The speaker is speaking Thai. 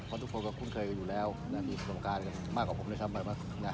เพราะทุกคนก็คุ้นเคยอยู่แล้วและมีสมการมากกว่าผมในสำหรับ